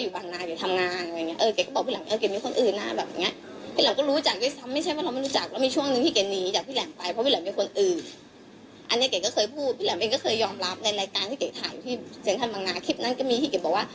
เพียรักไม่ใช่เทพจ้าไม่ใช่แบบพระนะคะ